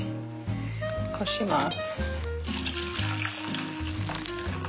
こします。